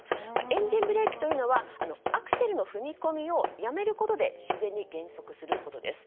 エンジンブレーキというのはアクセルの踏み込みをやめることで自然に減速することです。